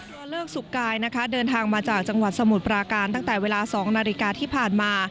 เลิกสุกายนะคะเดินทางมาจากจังหวัดสมุทรปราการตั้งแต่เวลา๒นาฬิกาที่ผ่านมา